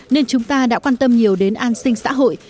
nên chúng ta đã quan tâm nhiều đến an sinh xã hội